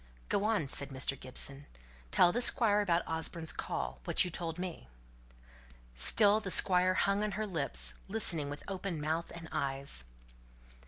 "Go on," said Mr. Gibson. "Tell the Squire about Osborne's call what you told me!" Still the Squire hung on her lips, listening with open mouth and eyes.